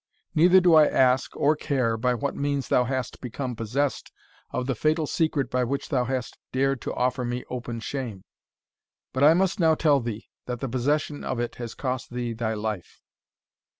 Neither do I ask, or care, by what means thou hast become possessed of the fatal secret by which thou hast dared to offer me open shame. But I must now tell thee, that the possession of it has cost thee thy life."